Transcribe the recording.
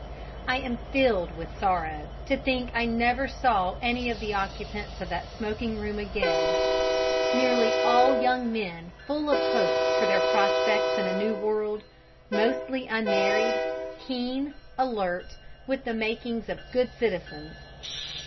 I am filled with sorrow to think I never saw any of the occupants of that smoking room again: nearly all young men full of hope for their prospects in a new world; mostly unmarried; keen, alert, with the makings of good citizens.